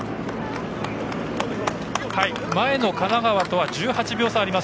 前の神奈川とは１８秒差あります。